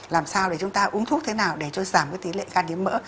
làm sao để chúng ta uống thuốc thế nào để giảm tỷ lệ gan nhiễm mỡ